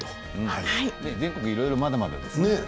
全国いろいろまだまだですね。